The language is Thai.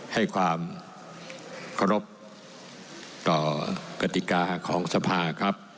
ให้ความเคารพต่อกติกาของสภาครับ